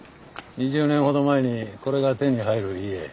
２０年ほど前にこれが手に入る家。